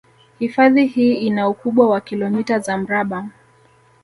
Hifadhi hii ina ukubwa wa kilometa za mraba